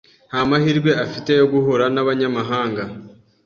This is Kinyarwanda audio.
Nta mahirwe afite yo guhura nabanyamahanga.